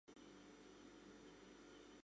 Макси тайналтыш, умшашкыже вӱр тольо.